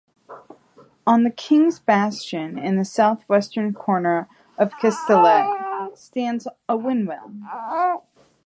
On the King's Bastion, in the southwestern corner of Kastellet, stands a windmill.